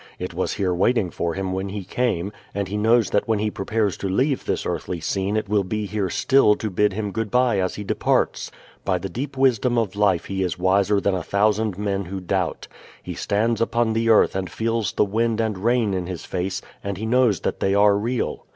It was here waiting for him when he came, and he knows that when he prepares to leave this earthly scene it will be here still to bid him good bye as he departs. By the deep wisdom of life he is wiser than a thousand men who doubt. He stands upon the earth and feels the wind and rain in his face and he knows that they are real.